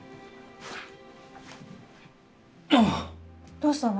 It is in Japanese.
どうしたの？